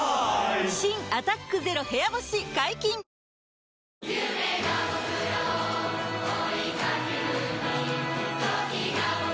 新「アタックＺＥＲＯ部屋干し」解禁‼ＪＰ）